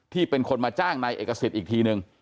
เป็นคนมาจ้างนายเอกสิทธิ์อีกทีนึง